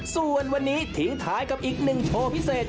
ส่วนวันนี้ทิ้งท้ายกับอีกหนึ่งโชว์พิเศษ